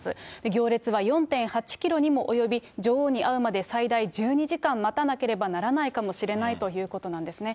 行列は４．８キロにも及び、女王に会うまで最大１２時間待たなければならないかもしれないということなんですね。